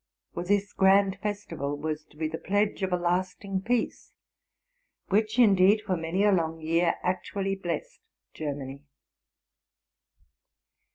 For this grand festival was to be the pledge of a lasting peace, which indeed for many a long year actually blessed Germany.